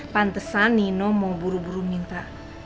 pantesan nino mau buru buru minta